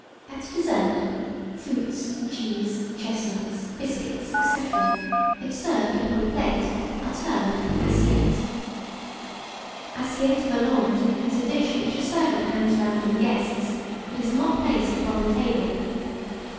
At dessert, fruits, cheese, chestnuts, biscuits, &c., if served upon a plate, are termed assiettes. ASSIETTE VOLANTE is a dish which a servant hands round to the guests, but is not placed upon the table.